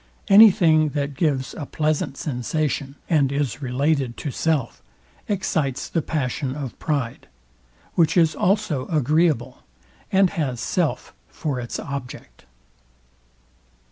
Any thing, that gives a pleasant sensation, and is related to self, excites the passion of pride, which is also agreeable, and has self for its object.